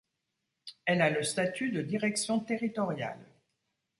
Elle a le statut de Direction Territoriale.